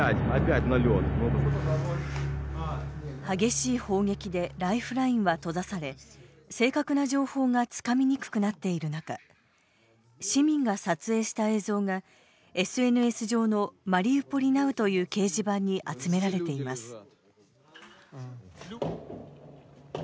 激しい砲撃でライフラインは閉ざされ正確な情報がつかみにくくなっている中市民が撮影した映像がＳＮＳ上の「マリウポリナウ」という掲示板に集められています。